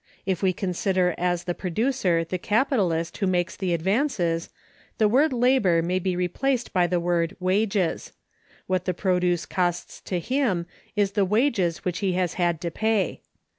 If we consider as the producer the capitalist who makes the advances, the word Labor may be replaced by the word Wages: what the produce costs to him, is the wages which he has had to pay.